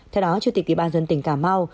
theo đó chủ tịch ủy ban dân tỉnh cà mau